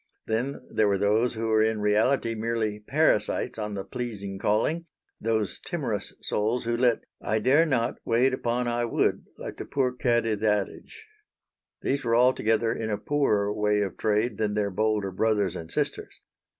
Then there were those who were in reality merely parasites on the pleasing calling those timorous souls who let "'I dare not' wait upon 'I would' like the poor cat i' the adage." These were altogether in a poorer way of trade than their bolder brothers and sisters.